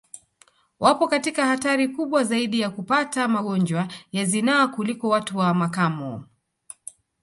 Wapo katika hatari kubwa zaidi ya kupata magonjwa ya zinaa kuliko watu wa makamo